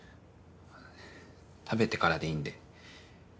食べてからでいいんで。